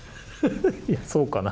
いや、そうかな。